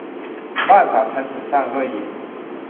บ้านสามชั้นถูกสร้างด้วยหิน